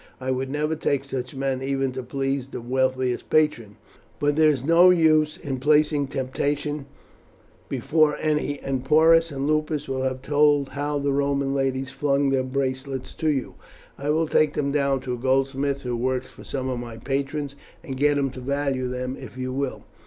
I would never take such men, even to please the wealthiest patron. But there is no use in placing temptation before any, and Porus and Lupus will have told how the Roman ladies flung their bracelets to you. I will take them down to a goldsmith who works for some of my patrons, and get him to value them, if you will."